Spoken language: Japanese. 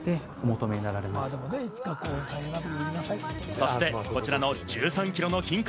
そして、こちらの１３キロの金塊。